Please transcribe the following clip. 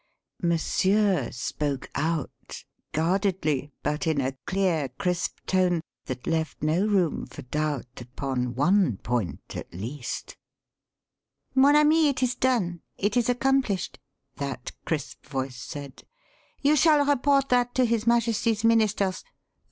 "Monsieur" spoke out guardedly, but in a clear, crisp tone that left no room for doubt upon one point, at least. "Mon ami, it is done it is accomplished," that crisp voice said. "You shall report that to his Majesty's ministers.